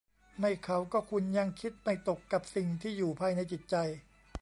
ไม่เขาก็คุณยังคิดไม่ตกกับสิ่งที่อยู่ภายในจิตใจ